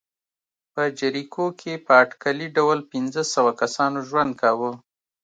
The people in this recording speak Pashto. په جریکو کې په اټکلي ډول پنځه سوه کسانو ژوند کاوه.